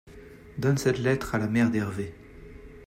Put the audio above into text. donne cette lettre à la mère de Herve.